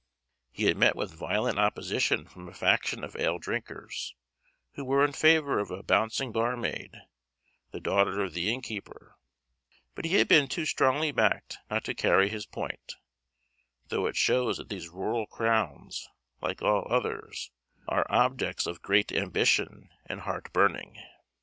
He had met with violent opposition from a faction of ale drinkers, who were in favour of a bouncing barmaid, the daughter of the innkeeper; but he had been too strongly backed not to carry his point, though it shows that these rural crowns, like all others, are objects of great ambition and heart burning.